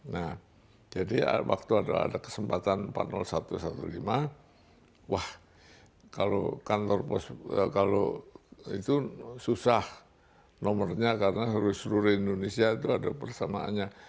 nah jadi waktu ada kesempatan empat ratus satu lima wah kalau kantor pos kalau itu susah nomornya karena harus seluruh indonesia itu ada persamaannya